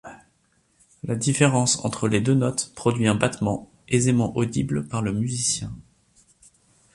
La différence entre les deux notes produit un battement, aisément audible par le musicien.